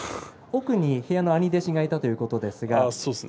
奥に部屋の兄弟子がいたということですが。